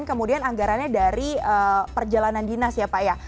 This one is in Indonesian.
kemudian anggarannya dari perjalanan dinas ya pak ya